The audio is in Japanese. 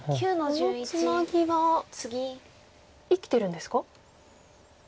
このツナギは生きてるんですか？